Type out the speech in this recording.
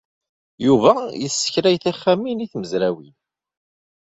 Yuba yessekray tixxamin i tmezrawin.